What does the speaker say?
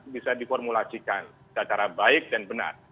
bisa diformulasikan secara baik dan benar